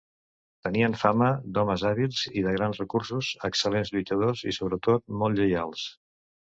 Tenien fama d'homes hàbils i de grans recursos, excel·lents lluitadors i, sobretot, molt lleials.